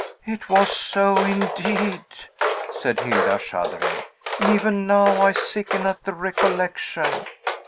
"It was so, indeed!" said Hilda, shuddering. "Even now, I sicken at the recollection."